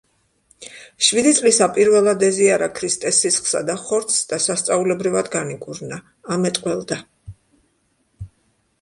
შვიდი წლისა პირველად ეზიარა ქრისტეს სისხლსა და ხორცს და სასწაულებრივად განიკურნა, ამეტყველდა.